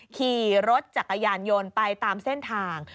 ขี่รถจักรยานยนต์ไปตามเส้นทาง